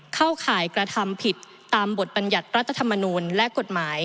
เข้าข่ายกระทำผิดตามบทบัญญัติรัฐธรรมนูลและกฎหมาย